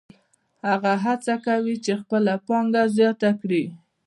هغه هڅه کوي چې خپله پانګه زیاته کړي